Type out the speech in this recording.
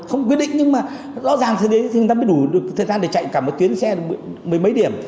không quyết định nhưng mà rõ ràng thì chúng ta mới đủ thời gian để chạy cả một tuyến xe mấy mấy điểm